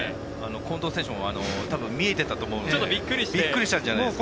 近藤選手も見えていたと思うのでびっくりしたんじゃないですか。